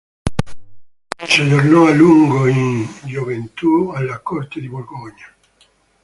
Egli soggiornò a lungo in gioventù alla corte di Borgogna.